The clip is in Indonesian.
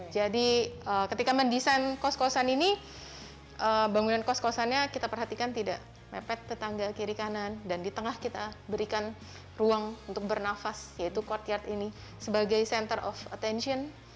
jadi ketika mendesain kos kosan ini bangunan kos kosannya kita perhatikan tidak mepet ke tangga kiri kanan dan di tengah kita berikan ruang untuk bernafas yaitu courtyard ini sebagai center of attention